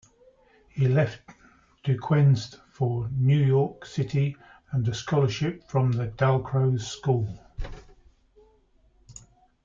He left Duquesne for New York City and a scholarship from the Dalcroze School.